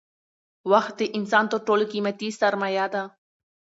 وخت د انسان تر ټولو قیمتي سرمایه ده